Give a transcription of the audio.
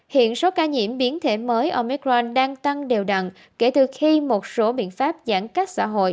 hiện số ca nhiễm biến thể mới ở mercron đang tăng đều đặn kể từ khi một số biện pháp giãn cách xã hội